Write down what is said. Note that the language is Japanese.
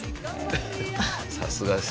さすがです。